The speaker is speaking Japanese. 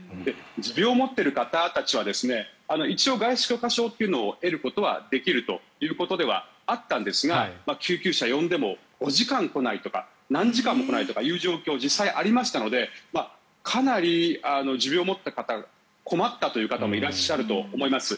持病を持っている方たちは一応、外出許可証というのを得ることはできるということではあったんですが救急車を呼んでも５時間来ないとか何時間も来ないという状況が実際にありましたのでかなり持病を持った方が困ったという方もいらっしゃると思います。